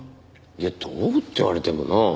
いやどうって言われてもな。